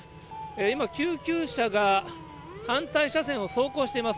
今、救急車が反対車線を走行してます。